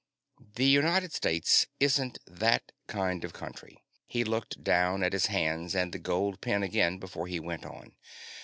The United States isn't that kind of country." He looked down at his hands and the gold pen again before he went on.